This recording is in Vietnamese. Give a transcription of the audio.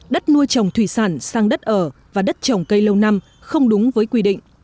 đất nuôi trồng thủy sản sang đất ở và đất trồng cây lâu năm không đúng với quy định